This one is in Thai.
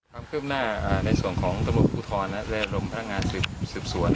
ความคืบหน้าในส่วนของตรวจภูทรและรมรักงานศึกษวน